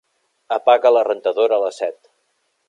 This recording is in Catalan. Apaga la rentadora a les set.